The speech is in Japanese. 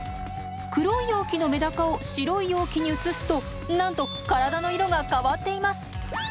黒い容器のメダカを白い容器に移すとなんと体の色が変わっています。